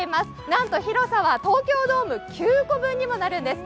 なんと広さは東京ドーム９個分にもなるんです。